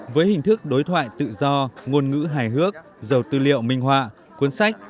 với hình thức đối thoại tự do ngôn ngữ hài hước giàu tư liệu minh họa cuốn sách